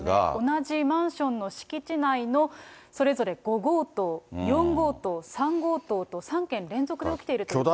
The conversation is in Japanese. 同じマンションの敷地内のそれぞれ５号棟、４号棟、３号棟と３件連続で起きているということです。